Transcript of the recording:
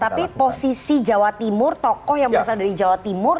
tapi posisi jawa timur tokoh yang berasal dari jawa timur